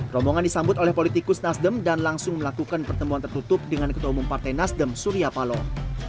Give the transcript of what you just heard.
rombongan disambut oleh politikus nasdem dan langsung melakukan pertemuan tertutup dengan ketua umum partai nasdem surya paloh